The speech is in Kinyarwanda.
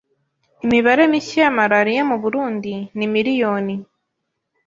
Imibare mishya ya malaria mu Burundi, ni miliyoni